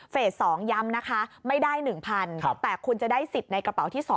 ๒ย้ำนะคะไม่ได้๑๐๐แต่คุณจะได้สิทธิ์ในกระเป๋าที่๒